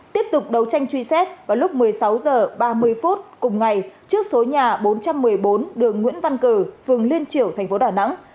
tiếp tục đấu tranh truy xét vào lúc một mươi sáu h ba mươi phút cùng ngày trước số nhà bốn trăm một mươi bốn đường nguyễn văn cử phường liên triểu thành phố đà nẵng